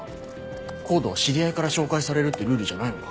ＣＯＤＥは知り合いから紹介されるってルールじゃないのか？